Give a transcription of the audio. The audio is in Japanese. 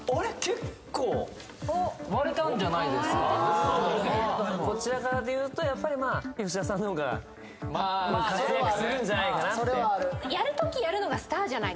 結構割れたんじゃないですかどちらかというとやっぱりまあ吉田さんの方が活躍するんじゃないかなってそれはあるおっ！